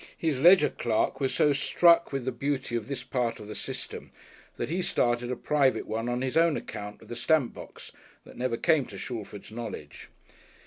His ledger clerk was so struck with the beauty of this part of the System, that he started a private one on his own account with the stamp box, that never came to Shalford's knowledge.